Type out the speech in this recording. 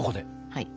はい。